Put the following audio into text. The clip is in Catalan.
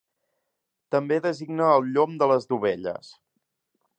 També designa el llom de les dovelles.